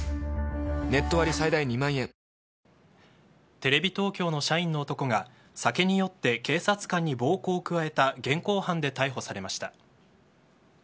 テレビ東京の社員の男が酒によって警察官に暴行を加えた現行犯で逮捕されました。